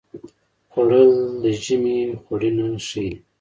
خوړل د ژمي خوړینه ښيي